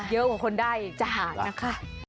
เยอะกว่าคนได้จะหารนะคะ